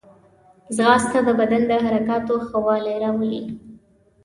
ځغاسته د بدن د حرکاتو ښه والی راولي